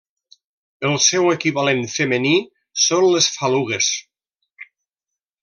El seu equivalent femení són les falugues.